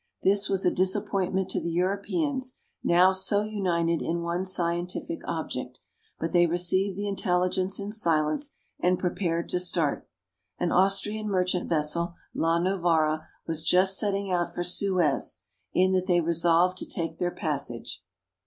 This was a disappointment to the Europeans, now so united in one scientific object ; but they received the intelligence in silence, and prepared to start. An Austrian merchant vessel, " La Novara," was just setting out for Suez ; in that they resolved to take their passage.